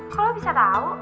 kok lo bisa tau